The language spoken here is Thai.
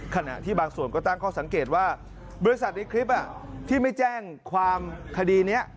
ขณะที่บางส่วนก็ตั้งข้อสังเกตว่าบริษัทในคลิปที่ไม่แจ้งความคดีนี้